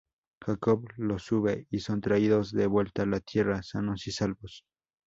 Jacob los sube y son traídos de vuelta a la Tierra sanos y salvos.